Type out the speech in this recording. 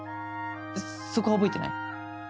そこは覚えてない？